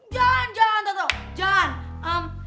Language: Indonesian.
jalan jalan tante jalan